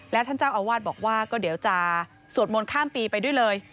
และท่านเจ้าอาวาสบอกว่าก็เดี๋ยวจะสวดมนต์ข้ามปีไปด้วยเลย